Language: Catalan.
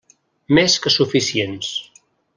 Més que suficients.